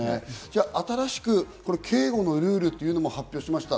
じゃあ新しくなった警護のルールというのを発表しました。